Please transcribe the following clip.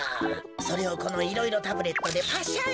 それをこのいろいろタブレットでパシャリ。